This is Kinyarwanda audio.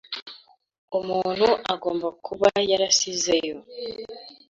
Umuntu agomba kuba yarasizeyo.